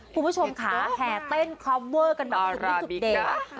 คุณผู้ชมค่ะแห่เต้นคอมเวอร์กันแบบสุดที่สุดเด็ด